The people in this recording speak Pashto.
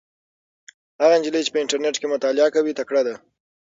هغه نجلۍ چې په انټرنيټ کې مطالعه کوي تکړه ده.